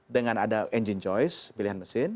dengan ada engine choice pilihan mesin